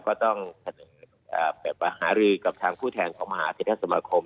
ก็ต้องแบบว่าหารือกับทางผู้แทนของมหาวิทยาลัยสมคม